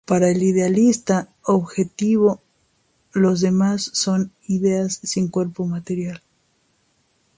Para el idealista objetivo los demás son ideas sin cuerpo material.